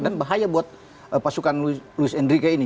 dan bahaya buat pasukan luis enrique ini